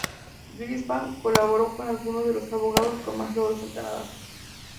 Greenspan colaboró con alguno de los abogados con más logros en Canadá.